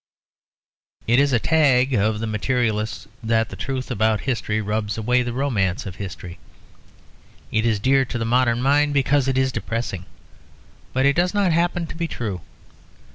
It is a tag of the materialists that the truth about history rubs away the romance of history. It is dear to the modern mind because it is depressing; but it does not happen to be true.